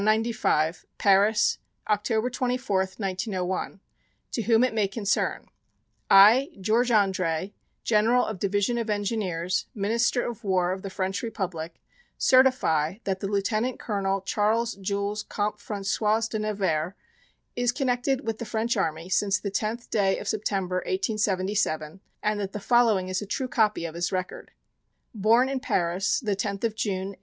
195 PARIS, October 24, 1901. To Whom It May Concern: I, George André, General of Division of Engineers, Minister of War of the French Republic, certify that the Lieutenant Colonel Charles Jules Comte François de Nevers, is connected with the French Army, since the 10th day of September, 1877, and that the following is a true copy of his record: Born in Paris the 10th of June, 1859.